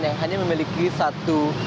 yang hanya memiliki satu